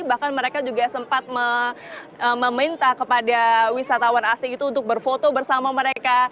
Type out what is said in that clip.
bahkan mereka juga sempat meminta kepada wisatawan asing itu untuk berfoto bersama mereka